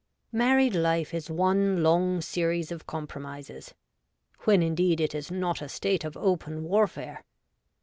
MARRIED life is one long series of com promises — when, indeed, it is not a state of open warfare.